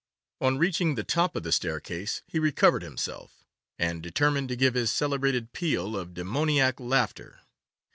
On reaching the top of the staircase he recovered himself, and determined to give his celebrated peal of demoniac laughter.